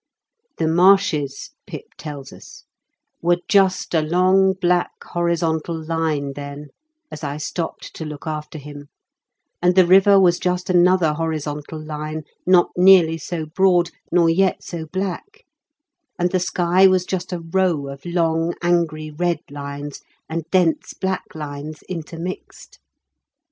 " The marshes," Pip tells us, " were just a long black horizontal line then, as I stopped to look after him ; and the river was just another horizontal line, not nearly so broad, nor yet so black ; and the sky was just a row of long angry red lines and dense black lines 28 IN KENT WITH CHARLES DICKENS. intermixed.